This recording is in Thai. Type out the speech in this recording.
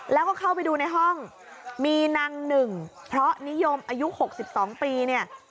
แล้วก็เข้าไปดูในห้องมีนางหนึ่งเพราะนิยมอายุ๖๒ปีเนี่ย